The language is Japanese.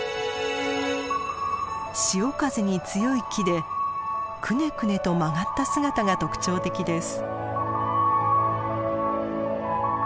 潮風に強い木でくねくねと曲がった姿が特徴的です。